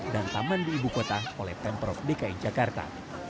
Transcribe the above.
dan taman di ibu kota oleh pemprov dki jakarta